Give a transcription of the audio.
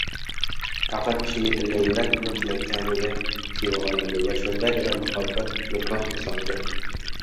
Faqat pishib yetilgan yurakkina chinakamiga seva oladi va shundagina muhabbat nikoh misolida